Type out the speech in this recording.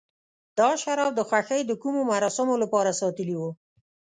دا شراب د خوښۍ د کومو مراسمو لپاره ساتلي و.